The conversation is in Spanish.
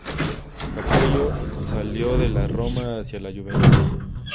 Capello salió de la Roma hacia la Juventus.